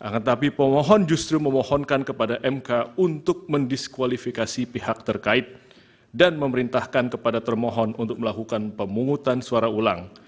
akan tetapi pemohon justru memohonkan kepada mk untuk mendiskualifikasi pihak terkait dan memerintahkan kepada termohon untuk melakukan pemungutan suara ulang